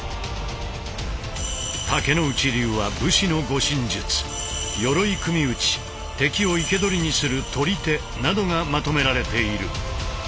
竹内流は武士の護身術鎧組討敵を生け捕りにする捕手などがまとめられている。